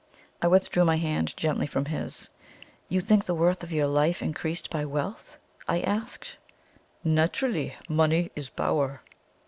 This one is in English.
I withdrew my hand gently from his. "You think the worth of your life increased by wealth?" Tasked. "Naturally! Money is power."